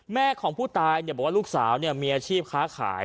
แม่ของผู้ตายบอกว่าลูกสาวมีอาชีพค้าขาย